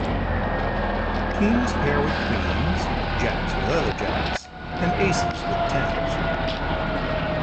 Kings pair with queens, jacks with other jacks, and aces with tens.